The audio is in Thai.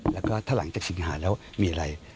แล้วก็ถ้าหลังจากสิงหาแล้วมีอะไร